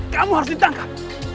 kamu harus ditangkap